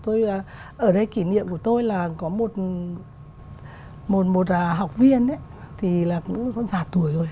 ở đây kỷ niệm của tôi là có một học viên ấy thì cũng già tuổi rồi